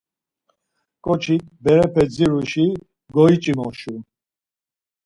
Ǩoçik berepe ziruşi goyç̌imoşu.